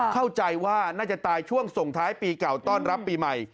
เข้าใจว่าน่าจะตายช่วงส่งท้ายปีเก่าต้อนรับปีใหม่